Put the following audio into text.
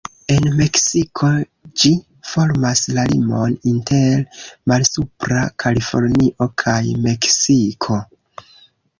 En Meksiko ĝi formas la limon inter Malsupra Kalifornio kaj Meksiko.